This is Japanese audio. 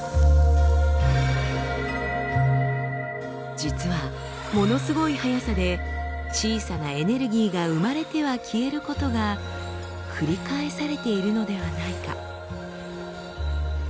実はものすごいはやさで小さなエネルギーが生まれては消えることが繰り返されているのではないか。